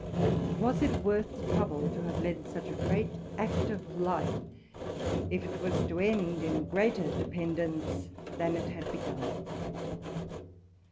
Was it worth the trouble to have led such a great, active life, if it were to end in greater dependence than it had begun?